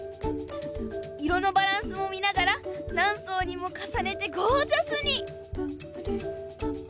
いろのバランスをみながらなんそうにもかさねてゴージャスに。